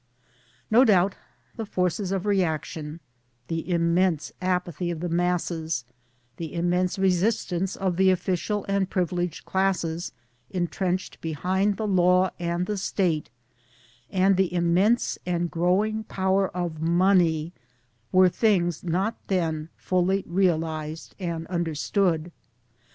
No doubt the forces of reaction the immense apathy of the masses, the immense resistance of the official and privileged classes, entrenched behind the Law and the State, and the immense and growing power of Money were things not then fully realized and understood.